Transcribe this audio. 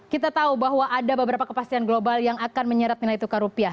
kita tahu bahwa ada beberapa kepastian global yang akan menyeret nilai tukar rupiah